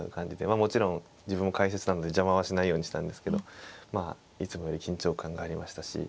まあもちろん自分も解説なので邪魔はしないようにしたんですけどまあいつもより緊張感がありましたし。